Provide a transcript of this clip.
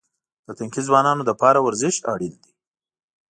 د تنکي ځوانانو لپاره ورزش اړین دی.